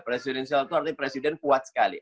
presidensial itu artinya presiden kuat sekali